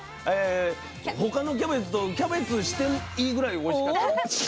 他のキャベツとキャベツしていいくらいおいしかった。